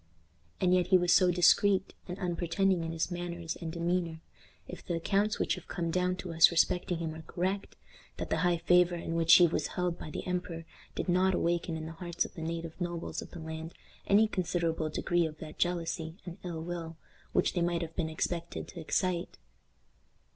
And yet he was so discreet and unpretending in his manners and demeanor, if the accounts which have come down to us respecting him are correct, that the high favor in which he was held by the emperor did not awaken in the hearts of the native nobles of the land any considerable degree of that jealousy and ill will which they might have been expected to excite.